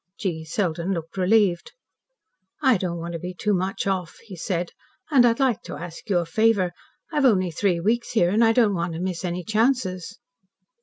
G. Selden looked relieved. "I don't want to be too much off," he said. "And I'd like to ask you a favour. I've only three weeks here, and I don't want to miss any chances."